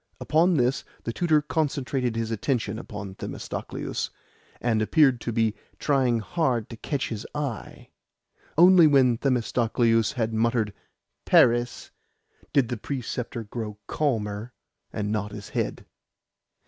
Upon this the tutor concentrated his attention upon Themistocleus, and appeared to be trying hard to catch his eye. Only when Themistocleus had muttered "Paris" did the preceptor grow calmer, and nod his head.